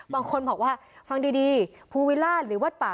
บางคนบอกว่าฟังดีภูเว่มันปะ